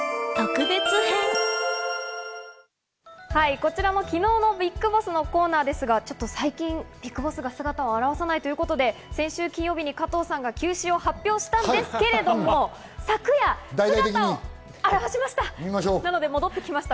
こちらのきのうのＢＩＧＢＯＳＳのコーナーですが、ちょっと最近ＢＩＧＢＯＳＳが姿を現さないということで先週金曜日に加藤さんが休止を発表したんですけれども、昨夜、姿を現しました。